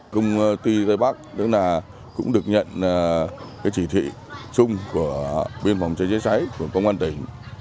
công ty tây bắc cũng được nhận chỉ thị chung của biên phòng cháy chữa cháy của công an tỉnh